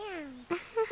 アハハ。